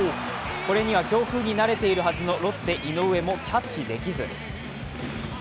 これには強風に慣れているはずの井上もキャッチできず。